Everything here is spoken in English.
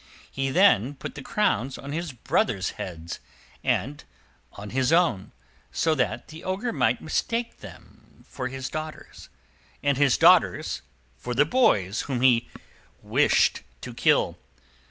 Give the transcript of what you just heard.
He then put the crowns on his brothers' heads and on his own, so that the Ogre might mistake them for his daughters, and his daughters for the boys whom he wished to kill.